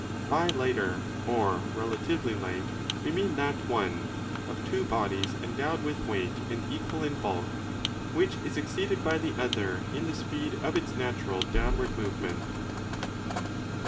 By lighter or relatively light we mean that one, of two bodies endowed with weight and equal in bulk, which is exceeded by the other in the speed of its natural downward move ment."